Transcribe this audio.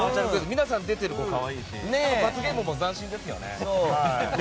皆さん出ている子可愛いし罰ゲームも斬新ですよね。